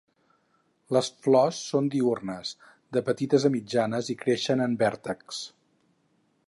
Les flors són diürnes, de petites a mitjanes i creixen en vèrtexs.